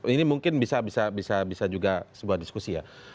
ini mungkin bisa bisa bisa juga sebuah diskusi ya